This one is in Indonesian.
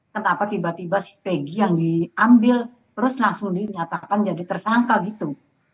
kenapa tiba tiba spegi yang diambil terus langsung dinyatakan jadi tersangka gitu